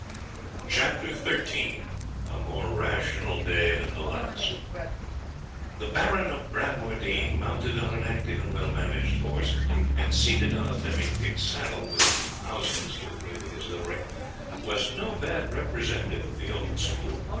CHAPTER XIII A MORE RATIONAL DAY THAN THE LAST The Baron of Bradwardine, mounted on an active and well managed horse, and seated on a demi pique saddle, with deep housings to agree with his livery, was no bad representative of the old school.